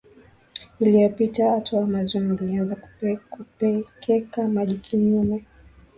iliyopita Mto Amazon ulianza kupekeka maji kinyume